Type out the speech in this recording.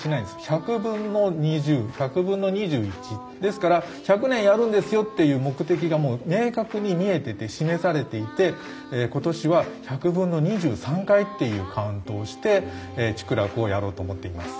１００分の２０１００分の２１。ですから１００年やるんですよっていう目的が明確に見えてて示されていて今年は１００分の２３回っていうカウントをして竹楽をやろうと思っています。